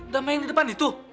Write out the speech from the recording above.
damai di depan itu